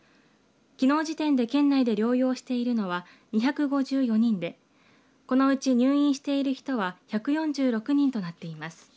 きのう時点で県内で療養しているのは２５４人でこのうち、入院してる人は１４６人となっています。